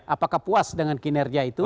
apakah puas dengan kinerja itu